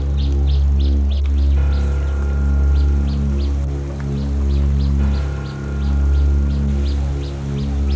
ขอบคุณครับ